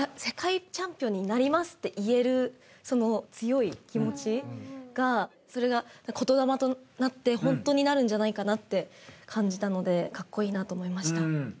世界チャンピオンになりますって言えるその強い気持ちがそれが言霊となってホントになるんじゃないかなって感じたのでカッコイイなと思いました。